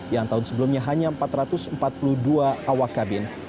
yang tahun sebelumnya hanya empat ratus empat puluh dua awak kabin